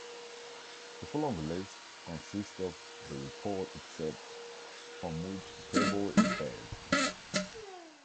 The following list consists of the report excerpts from which the table is based.